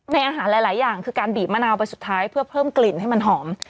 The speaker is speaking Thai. อาหารหลายอย่างคือการบีบมะนาวไปสุดท้ายเพื่อเพิ่มกลิ่นให้มันหอม